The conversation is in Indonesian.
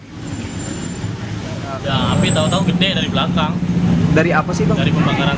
di jualan apa bang